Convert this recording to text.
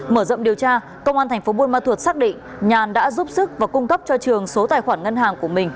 mở rộng điều tra công an tp buôn ma thuật xác định nhà đã giúp sức và cung cấp cho trường số tài khoản ngân hàng của mình